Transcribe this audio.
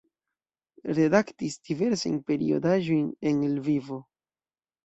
Redaktis diversajn periodaĵojn en Lvivo.